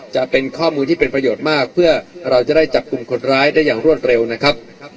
จะเป็นข้อมูลที่เป็นประโยชน์มากเพื่อเราจะได้จับกลุ่มคนร้ายได้อย่างรวดเร็วนะครับ